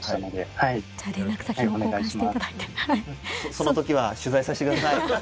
その時は取材させてください。